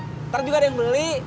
ntar juga ada yang beli